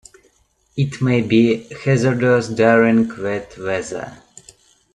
It may be hazardous during wet weather.